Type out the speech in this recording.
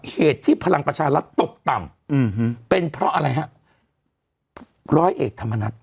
เหตุที่พลังประชารัฐตกต่ำเป็นเพราะอะไรฮะร้อยเอกธรรมนัฐ